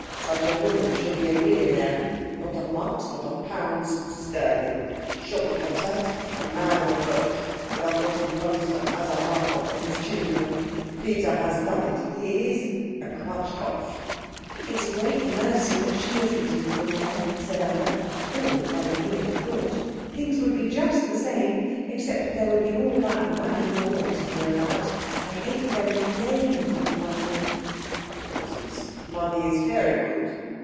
"Such a woman should be a millionnaire. Not of marks, but of pounds sterling. Short of that, a man of birth does not impose her as a mother on his children. Peter has done it. He is a Quatschkopf." "It is a great mercy that she isn't a millionnaire," said Anna, appalled by the mere thought. "Things would be just the same, except that there would be all that money more to hear about. I hate the very name of money." "Nonsense. Money is very good."